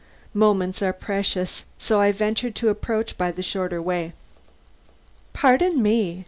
Moments are precious; so I ventured to approach by the shorter way." "Pardon me!"